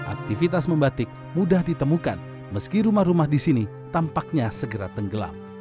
aktivitas membatik mudah ditemukan meski rumah rumah di sini tampaknya segera tenggelam